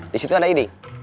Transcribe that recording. di situ ada ide